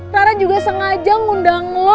rara juga sengaja ngundang lo